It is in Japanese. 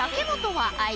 はい。